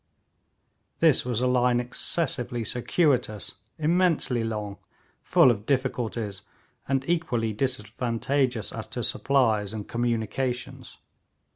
This was a line excessively circuitous, immensely long, full of difficulties, and equally disadvantageous as to supplies and communications.